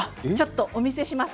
お見せします。